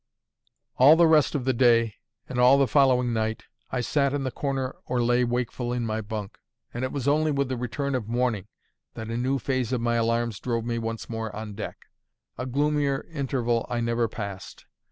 All the rest of the day, and all the following night, I sat in the corner or lay wakeful in my bunk; and it was only with the return of morning that a new phase of my alarms drove me once more on deck. A gloomier interval I never passed.